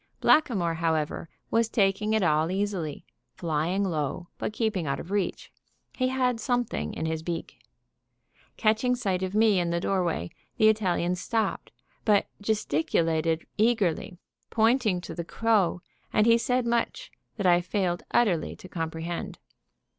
Blackamoor, however, was taking it all easily, flying low, but keeping out of reach. He had something in his beak. Catching sight of me in the doorway, the Italian stopped, but gesticulated eagerly, pointing to the crow; and he said much that I failed utterly to comprehend.